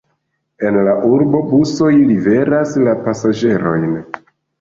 En la urbo busoj liveras la pasaĝerojn.